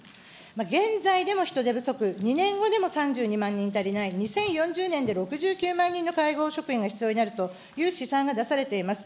現在でも人手不足、２年後でも３２万人足りない、２０４０年で６９万人の介護職員が必要になるという試算が出されています。